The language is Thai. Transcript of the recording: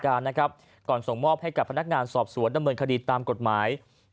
การนะครับก่อนส่งมอบให้กับพนักงานสอบสวนดำเมินคดีตตามกฏหมายในข้อหา